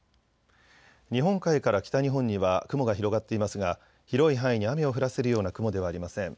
日本海から北日本には雲が広がっていますが広い範囲に雨を降らせるような雲ではありません。